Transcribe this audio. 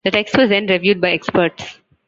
The text was then reviewed by experts.